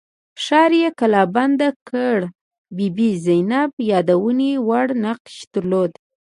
ښار یې کلابند کړ بي بي زینب یادونې وړ نقش درلود.